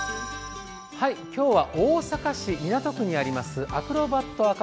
今日は大阪市港区にあります